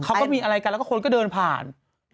เขาก็มีอะไรกันแล้วก็คนก็เดินผ่าน